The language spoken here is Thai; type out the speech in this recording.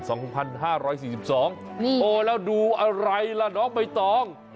โอ้โหแล้วดูอะไรล่ะน้องใบตอง